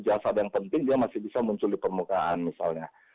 jasad yang penting dia masih bisa muncul di permukaan misalnya